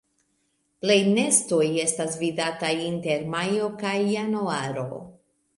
Plej nestoj estas vidataj inter majo kaj januaro.